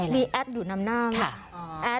มีแอดอยู่นำหน้าไง